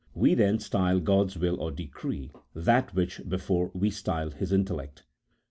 63 we then style God's will or decree, that which before we styled His intellect.